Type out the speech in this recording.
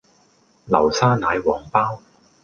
流沙奶黃包